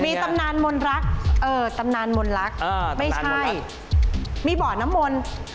มีตำนานมนรักตำนานมนรักไม่ใช่มีบ่อน้ำมนต์